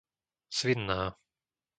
Svinná